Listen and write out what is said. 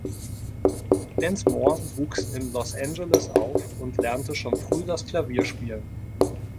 Densmore wuchs in Los Angeles auf und lernte schon früh das Klavierspielen.